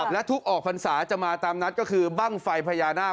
และทุกออกพรรษาจะมาตามนัดก็คือบ้างไฟพญานาค